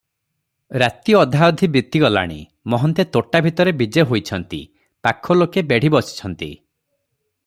ରାତି ଅଧାଅଧି ବିତିଗଲାଣି, ମହନ୍ତେ ତୋଟା ଭିତରେ ବିଜେ ହୋଇଛନ୍ତି, ପାଖଲୋକେ ବେଢ଼ି ବସିଛନ୍ତି ।